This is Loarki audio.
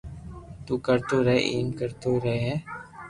تو ڪرتو رھي ايم ڪوم ڪرتو رھي